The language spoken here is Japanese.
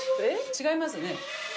違いますよね。